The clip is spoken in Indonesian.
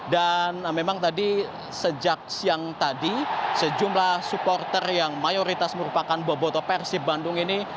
dan memang tadi sejak siang tadi sejumlah supporter yang mayoritas merupakan boboto persib bandung ini